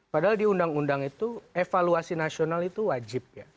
padahal di undang undang itu evaluasi nasional itu wajib ya